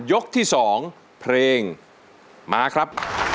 ยกที่๒เพลงมาครับ